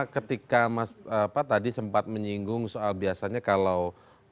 ketika mas tadi sempat menyinggung soal biasanya kalau